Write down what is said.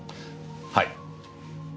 はい。